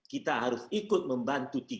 kita harus ikut membantu